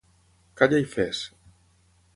Calla i fes.